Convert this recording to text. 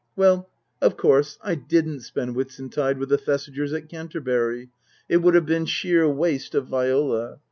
Well, of course I didn't spend Whitsuntide with the Thesigers at Canterbury. It would have been sheer waste of Viola.